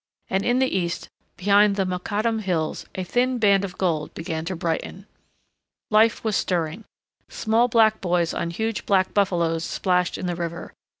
And in the east behind the Mokattam hills a thin band of gold began to brighten. Life was stirring. Small black boys on huge black buffaloes splashed in the river.